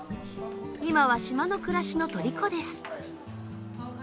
今は島の暮らしのとりこです。